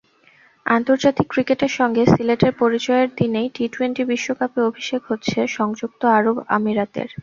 আন্তর্জাতিক ক্রিকেটের সঙ্গে সিলেটের পরিচয়ের দিনেই টি-টোয়েন্টি বিশ্বকাপে অভিষেক হচ্ছে সংযুক্ত আরব আমিরাতের।